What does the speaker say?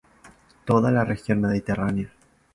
Toda la región mediterránea.